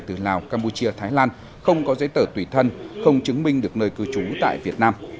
từ lào campuchia thái lan không có giấy tờ tùy thân không chứng minh được nơi cư trú tại việt nam